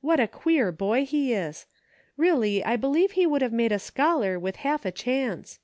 What a queer boy he is ! Really I believe he would have made a scholar with half a chance.